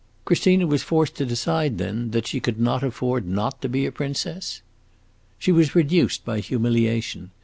"Christina was forced to decide, then, that she could not afford not to be a princess?" "She was reduced by humiliation.